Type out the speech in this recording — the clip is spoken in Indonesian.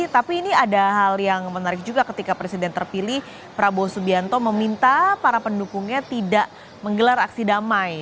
tapi ini ada hal yang menarik juga ketika presiden terpilih prabowo subianto meminta para pendukungnya tidak menggelar aksi damai